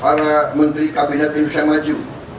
para menteri kabinet indonesia maju